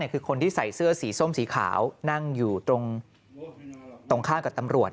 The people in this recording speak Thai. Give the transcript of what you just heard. คือคนที่ใส่เสื้อสีส้มสีขาวนั่งอยู่ตรงข้ามกับตำรวจ